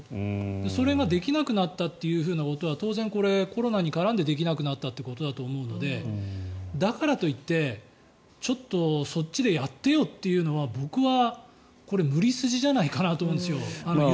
それができなくなったということは当然、これはコロナに絡んでできなくなったということだと思うのでだからといってちょっとそっちでやってよというのは僕は、これ無理筋じゃないかなと思うんですよ。